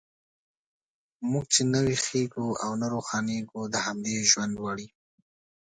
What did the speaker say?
موږ چې نه ویښیږو او نه روښانیږو، د همدې ژوند وړ یو.